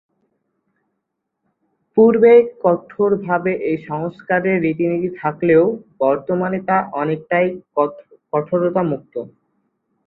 পূর্বে কঠোরভাবে এ সংস্কারের রীতিনীতি থাকলেও বর্তমানে তা অনেকটাই কঠোরতামুক্ত।